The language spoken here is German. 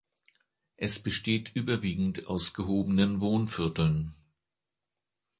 Es besteht überwiegend aus gehobenen Wohnvierteln.